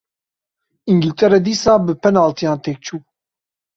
Îngiltere dîsa bi penaltiyan têk çû.